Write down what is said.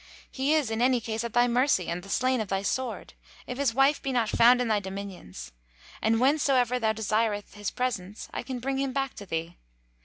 He is in any case at thy mercy and the slain of thy sword, if his wife be not found in thy dominions; and whensoever thou desireth his presence, I can bring him back to thee.